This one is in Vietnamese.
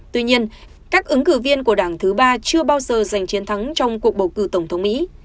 tuy nhiên các ứng cử viên của đảng thứ ba chưa bao giờ giành chiến thắng trong cuộc bầu cử tổng thống mỹ